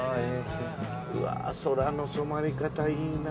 うわ空の染まり方いいな。